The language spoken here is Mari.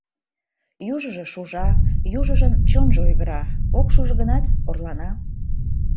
Южыжо шужа, южыжын чонжо ойгыра, ок шужо гынат, орлана...